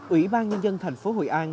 ủy ban nhân dân thành phố hội an